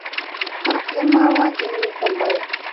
ޒިންމާވާން ޖެހެނީ ކޮން ބައެއް؟